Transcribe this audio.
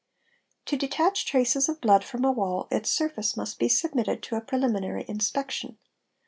To detach traces of blood from a wall its surface must be submitted — to a preliminary inspection.